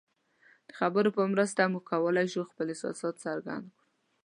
د خبرو په مرسته موږ کولی شو خپل احساسات څرګند کړو.